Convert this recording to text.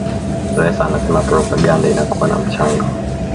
Ressa anasema propaganda inakuwa na mchango